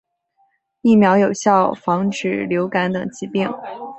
疫苗有效防止流感等疾病。